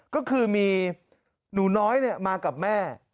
ก็คือมีหนูน้อยมากับแม่